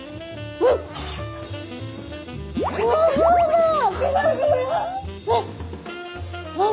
うん！